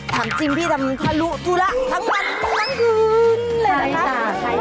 ทำจริงพี่ทำอวันครุ่นจุละทั้งวันตั้งคืน